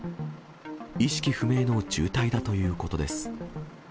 意識不明の重体だということです。